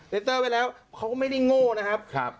เตอร์ไว้แล้วเขาก็ไม่ได้โง่นะครับ